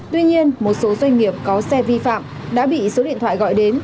tuy nhiên một số doanh nghiệp có xe vi phạm đã bị số điện thoại gọi đến